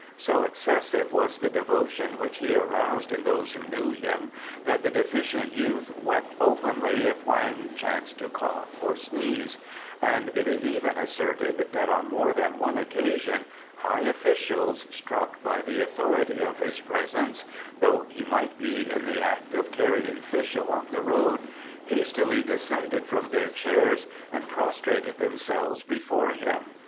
So excessive was the devotion which he aroused in those who knew him that the deficient youth wept openly if Hoang chanced to cough or sneeze; and it is even asserted that on more than one occasion high officials, struck by the authority of his presence, though he might be in the act of carrying fish along the road, hastily descended from their chairs and prostrated themselves before him.